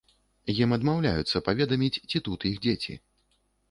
Ім адмаўляюцца паведаміць, ці тут іх дзеці.